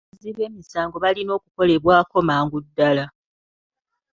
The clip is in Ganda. Abazzi b'emisango balina okukolebwako amangu ddaala.